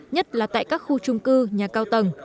nhất là tại các khu trung cư nhà cao tầng